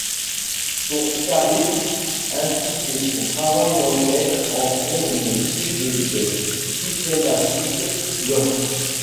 Son charisme, ainsi que son travail d'enquête, en font une cible des suprémacistes blancs.